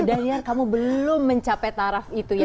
dan irat kamu belum mencapai taraf itu ya